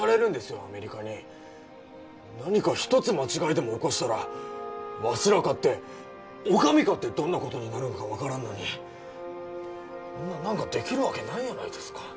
アメリカに何か一つ間違いでも起こしたらわしらかってお上かってどんなことになるんか分からんのにほんな何かできるわけないやないですか